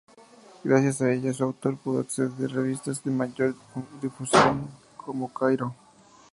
Gracias a ella, su autor pudo acceder a revistas de mayor difusión, como "Cairo".